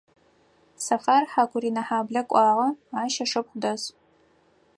Сэфар Хьакурынэхьаблэ кӏуагъэ, ащ ышыпхъу дэс.